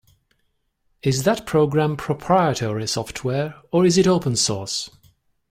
Is that program proprietary software, or is it open source?